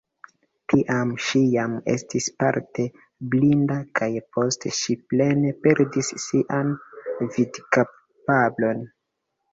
Tiam ŝi jam estis parte blinda kaj poste ŝi plene perdis sian vidkapablon.